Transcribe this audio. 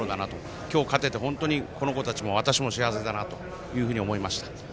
今日、勝てて本当にこの子たちも私も幸せだなと思いました。